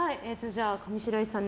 上白石さん